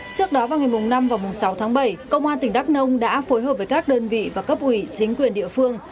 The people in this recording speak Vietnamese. trước đó vào ngày năm và sáu tháng bảy công an tỉnh đắk nông đã phối hợp với các đơn vị và cấp ủy chính quyền địa phương